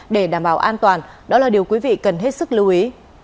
để đảm bảo an toàn đó là điều quý vị cần hết sức lưu ý